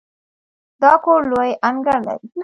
دا کور لوی انګړ لري.